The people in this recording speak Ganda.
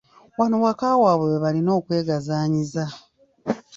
Wano waka waabwe we balina okwegazaanyiza.